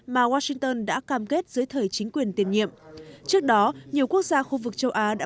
mà washington đã cam kết dưới thời chính quyền tiền nhiệm trước đó nhiều quốc gia khu vực châu á đã